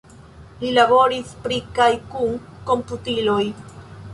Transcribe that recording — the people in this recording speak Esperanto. Li laboris pri kaj kun komputiloj.